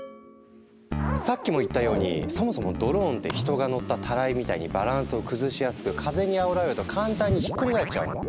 さっきも言ったようにそもそもドローンって人が乗ったタライみたいにバランスを崩しやすく風にあおられると簡単にひっくり返っちゃうの。